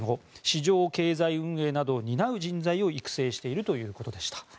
市場経済運営などを担う人材を育成しているということでした。